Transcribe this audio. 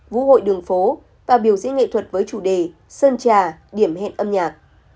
vũ hội đường phố và biểu diễn nghệ thuật với chủ đề sơn trà điểm hẹn âm nhạc